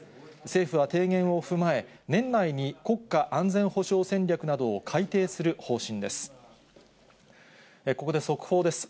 政府は提言を踏まえ、年内に国家安全保障戦略などを改定する方針です。